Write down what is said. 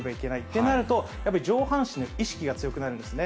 となると、やっぱり上半身の意識が強くなるんですね。